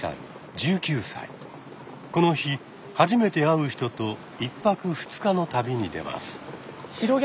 この日初めて会う人と１泊２日の旅に出ます。